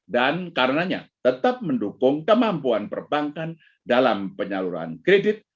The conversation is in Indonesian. dan karenanya tetap mendukung kemampuan perbankan dalam penyaluran kredit